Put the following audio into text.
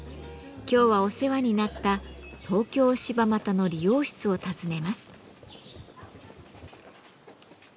今日はお世話になった東京・柴又の理容室を訪ねます。